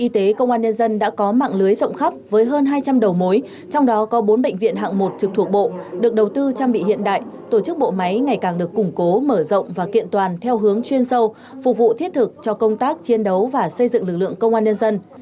trong đó có bốn bệnh viện hạng một trực thuộc bộ được đầu tư trang bị hiện đại tổ chức bộ máy ngày càng được củng cố mở rộng và kiện toàn theo hướng chuyên sâu phục vụ thiết thực cho công tác chiến đấu và xây dựng lực lượng công an nhân dân